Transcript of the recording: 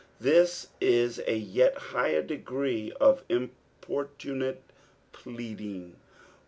Tbia is a yet higher degree of importunate pleading.